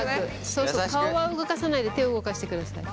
そうそう顔は動かさないで手を動かしてください。